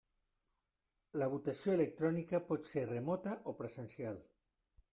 La votació electrònica pot ser remota o presencial.